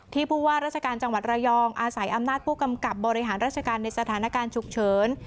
ผู้ว่าราชการจังหวัดระยองอาศัยอำนาจผู้กำกับบริหารราชการในสถานการณ์ฉุกเฉิน